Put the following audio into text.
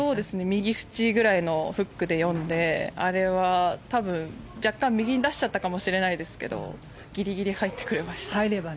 右縁ぐらいのフックで読んであれは若干右に出しちゃったかもしれないですけどギリギリ入ってくれました。